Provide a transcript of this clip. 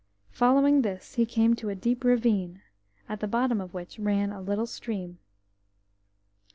Following this he came to a deep ravine, at the bottom of which ran a little steam.